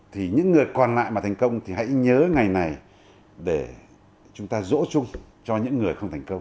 thì những người còn lại mà thành công thì hãy nhớ ngày này để chúng ta dỗ chung cho những người không thành công